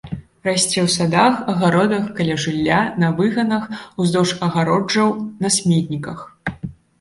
Расце ў садах, агародах, каля жылля, на выганах, уздоўж агароджаў, на сметніках.